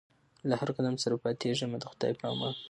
له هر قدم سره پاتېږمه د خدای په امان